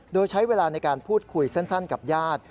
โดยใช้เวลาในการพูดคุยสั้นกับญาติ